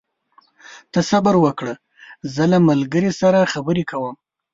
ته صبر وکړه، زه له ملګري سره خبرې کوم.